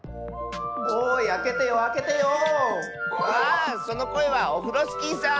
あそのこえはオフロスキーさん。